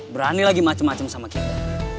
berani lagi macem macem sama kita